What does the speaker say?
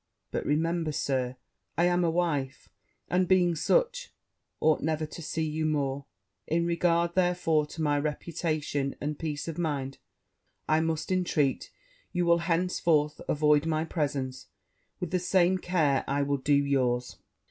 But remember, Sir, I am a wife; and, being such, ought never to see you more: in regard, therefore, to my reputation and peace of mind, I must intreat you will henceforth avoid my presence with the same care I will do yours.'